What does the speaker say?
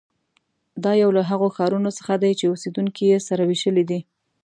دا یو له هغو ښارونو څخه دی چې اوسېدونکي یې سره وېشلي دي.